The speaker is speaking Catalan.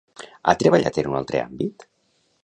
Ha treballat en un altre àmbit?